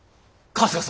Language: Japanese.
春日様！